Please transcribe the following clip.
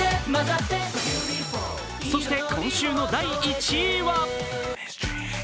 そして今週の第１位は？